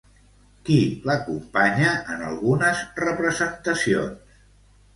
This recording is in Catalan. Qui l'acompanya en algunes representacions?